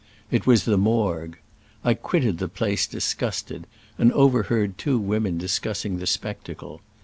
It was the Morgue. I quitted the place dis gusted, and overheard two women dis cussing the spectacle.